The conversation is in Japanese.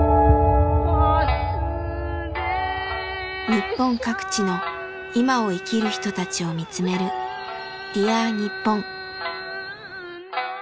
日本各地の「いま」を生きる人たちを見つめる「Ｄｅａｒにっぽん」。